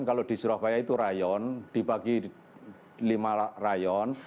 kalau di surabaya itu rayon dibagi lima rayon